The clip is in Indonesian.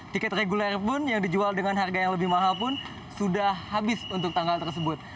tiket reguler pun yang dijual dengan harga yang lebih mahal pun sudah habis untuk tanggal tersebut